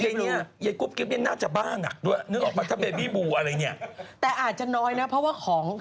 แต่นี่คือหมอเขาบอกตั้งแต่แรก